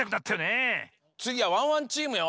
つぎはワンワンチームよ。